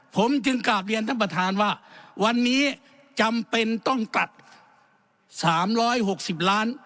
ผมจึงกราบเรียนท่านประธานว่าวันนี้จำเป็นต้องตัด๓๖๐ล้าน